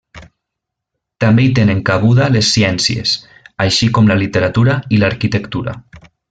També hi tenen cabuda les ciències, així com la literatura i l’arquitectura.